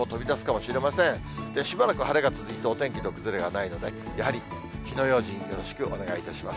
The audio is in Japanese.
しばらく晴れが続いて、お天気の崩れがないので、やはり火の用心、よろしくお願いいたします。